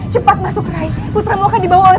cepat masuk rai putramu akan dibawa oleh